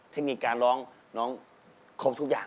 ที่มีการร้องร้องครบทุกอย่าง